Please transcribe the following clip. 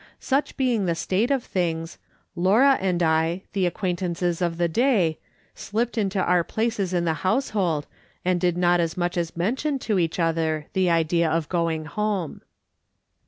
Such being the state of things, Laura and I, the acquaintances of the day, slipped into our places in the household, and did not as much as mention to each other the idea of going home.